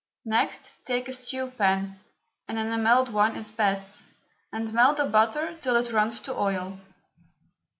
Next take a stew pan an enamelled one is best and melt the butter till it runs to oil.